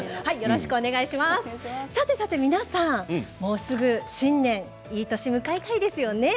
さて、皆さんもうすぐ新年いい年を迎えたいですよね。